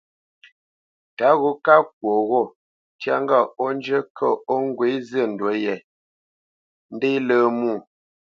Tǎ gho ká kwo ghô, ntyá ŋgâʼ ó njə́ kə̂ ó ŋgwě zî ndǔ yē, ndé lə̄ mwô.